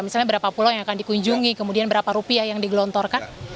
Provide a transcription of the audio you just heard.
misalnya berapa pulau yang akan dikunjungi kemudian berapa rupiah yang digelontorkan